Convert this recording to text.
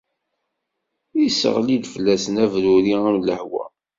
Isseɣli-d fell-asen abruri am lehwa.